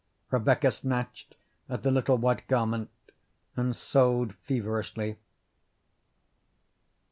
Rebecca snatched at the little white garment and sewed feverishly.